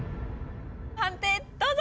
判定どうぞ！